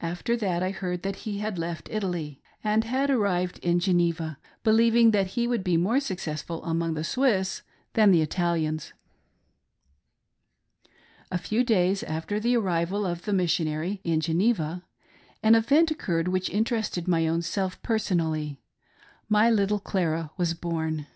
After that I heard that he had left Italy and had arrived in LITTLE CLARA INTRODUCED TO THE WORLD, I09 Geneva, believing that he would be more successful among the Swiss than the Italians. A few days after the arrival of the Missionary in Geneva, an event occurred which interested my own self personally — my little Clara was born.